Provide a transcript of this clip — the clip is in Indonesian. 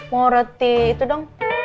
mau roti itu dong